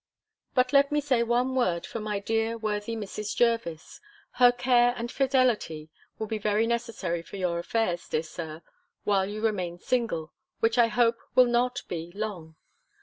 But let me say one word for my dear worthy Mrs. Jervis. Her care and fidelity will be very necessary for your affairs, dear Sir, while you remain single, which I hope will not be long.